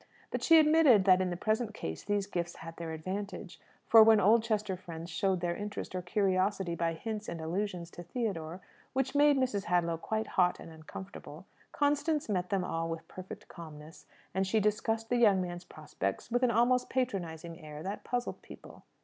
But she admitted that in the present case these gifts had their advantage; for, when Oldchester friends showed their interest or curiosity by hints and allusions to Theodore, which made Mrs. Hadlow quite hot and uncomfortable, Constance met them all with perfect calmness, and she discussed the young man's prospects with an almost patronizing air that puzzled people.